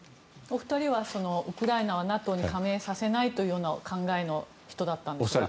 お二人はウクライナはＮＡＴＯに加盟させないという考えの人だったんですか？